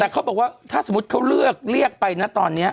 แต่เขาบอกว่าถ้าสมมุติเขาเลือกเรียกไปนะตอนนี้